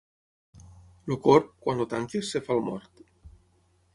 El corb, quan el tanques, es fa el mort.